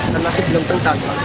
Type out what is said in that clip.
dan masih belum pentas